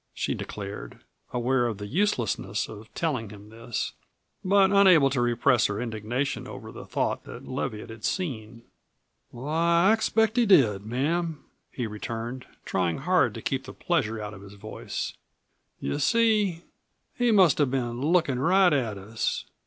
she declared, aware of the uselessness of telling him this, but unable to repress her indignation over the thought that Leviatt had seen. "Why, I expect he did, ma'am!" he returned, trying hard to keep the pleasure out of his voice. "You see, he must have been lookin' right at us.